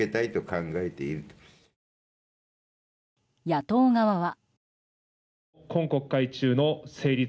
野党側は。